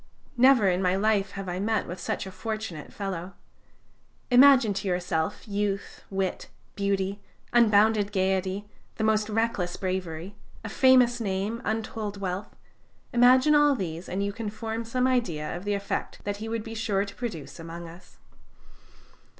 Never in my life have I met with such a fortunate fellow! Imagine to yourself youth, wit, beauty, unbounded gayety, the most reckless bravery, a famous name, untold wealth imagine all these, and you can form some idea of the effect that he would be sure to produce among us.